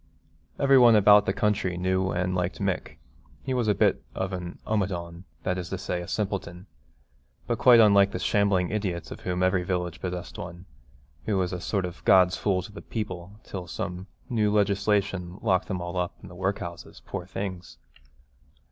Every one about the country knew and liked Mick. He was a bit of an omadhaun, that is to say a simpleton, but quite unlike the shambling idiots of whom every village possessed one, who was a sort of God's fool to the people, till some new legislation locked them all up in the work houses, poor things!